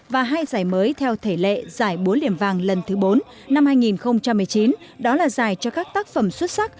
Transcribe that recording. và hai giải mới theo thể lệ giải búa liềm vàng lần thứ bốn năm hai nghìn một mươi chín đó là giải cho các tác phẩm xuất sắc